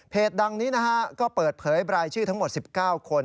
ดังนี้นะฮะก็เปิดเผยรายชื่อทั้งหมด๑๙คน